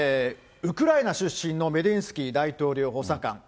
ウクライナ出身のメディンスキー大統領補佐官。